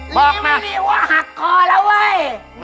หลีงเมนีว่าหักคอแหละเว้ย